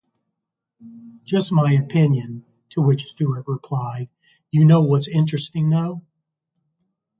Just my opinion," to which Stewart replied, "You know what's interesting, though?